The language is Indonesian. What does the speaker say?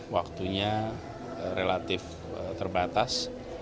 waktunya relatif terbatas